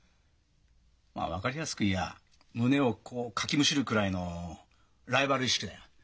まあ分かりやすく言やあ胸をこうかきむしるくらいのライバル意識だよ。